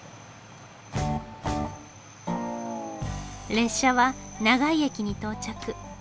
列車は長井駅に到着。